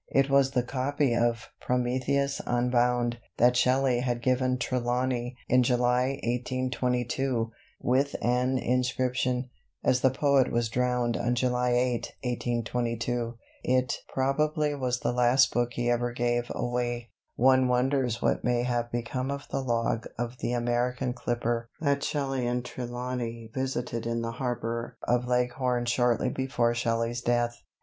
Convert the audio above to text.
It was the copy of "Prometheus Unbound" that Shelley had given Trelawny in July, 1822, with an inscription. As the poet was drowned on July 8, 1822, it probably was the last book he ever gave away. One wonders what may have become of the log of the American clipper that Shelley and Trelawny visited in the harbour of Leghorn shortly before Shelley's death.